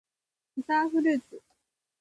スターフルーツ